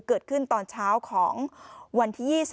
เกิดขึ้นตอนเช้าของวันที่๒๐